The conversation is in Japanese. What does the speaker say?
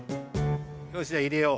よしじゃあ入れよう。